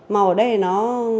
màu ở đây nó